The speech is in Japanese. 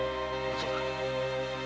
嘘だ！